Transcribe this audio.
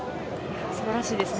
すばらしいですね。